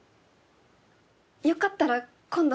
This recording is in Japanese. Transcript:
よかったら今度。